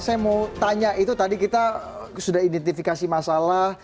saya mau tanya itu tadi kita sudah identifikasi masalah